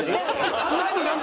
何？